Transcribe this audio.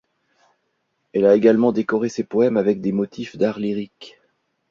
Elle a également décoré ses poèmes avec des motifs d'art lyrique.